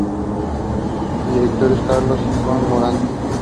Su director es Carlos Jijón Morante.